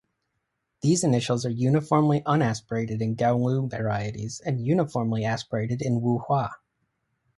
These initials are uniformly unaspirated in Gou-Lou varieties and uniformly aspirated in Wu-Hua.